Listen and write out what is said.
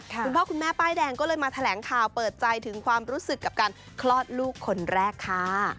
คุณพ่อคุณแม่ป้ายแดงก็เลยมาแถลงข่าวเปิดใจถึงความรู้สึกกับการคลอดลูกคนแรกค่ะ